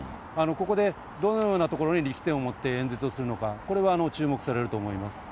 ここでどのようなところに力点を持って演説をするのか、これは注目されると思います。